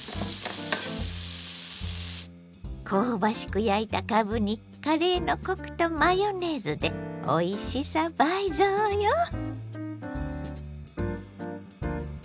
香ばしく焼いたかぶにカレーのコクとマヨネーズでおいしさ倍増よ！